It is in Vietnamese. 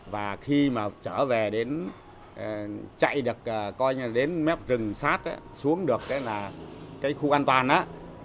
và khi mà trở về đến chạy được coi là đến mép rừng sát xuống được là cái khu an toàn đó